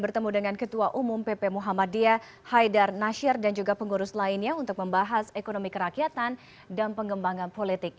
berjalan dengan tertib dan damai